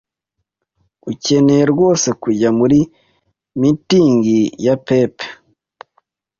Ukeneye rwose kujya muri mitingi ya pep?